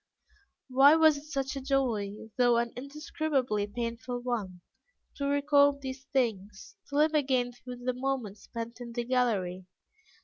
Why was it such a joy, though an indescribably painful one, to recall these things, to live again through the moments spent in the gallery?